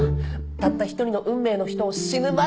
たった一人の運命の人を死ぬまで愛したいです。